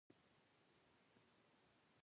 ادب ژبنی هنر دی.